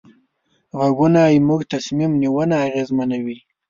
غږونه زموږ تصمیم نیونه اغېزمنوي.